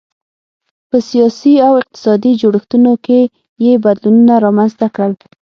په سیاسي او اقتصادي جوړښتونو کې یې بدلونونه رامنځته کړل.